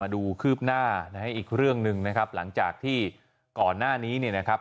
ดูคืบหน้านะฮะอีกเรื่องหนึ่งนะครับหลังจากที่ก่อนหน้านี้เนี่ยนะครับ